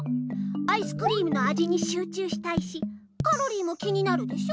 アイスクリームのあじにしゅう中したいしカロリーも気になるでしょ。